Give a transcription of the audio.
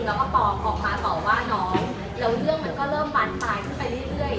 แล้วก็ปอบออกมาต่อว่าน้องแล้วเรื่องมันก็เริ่มบานปลายขึ้นไปเรื่อย